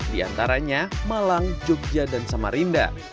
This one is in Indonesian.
di antaranya malang jogja dan samarinda